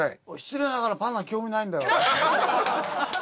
失礼ながらパンダ興味ないんだよ。